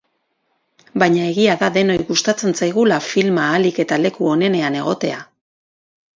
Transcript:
Baina egia da denoi gustatzen zaigula filma ahalik eta leku onenean egotea.